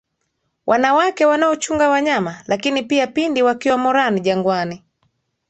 wanawake wanaochunga wanyama lakini pia pindi wakiwa moran jangwani